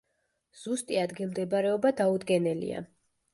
ზუსტი ადგილმდებარეობა დაუდგენელია.